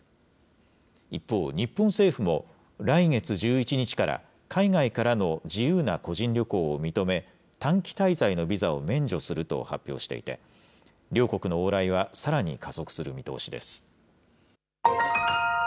一方、日本政府も来月１１日から、海外からの自由な個人旅行を認め、短期滞在のビザを免除すると発表していて、両国の往来はさらに加速する見通しです。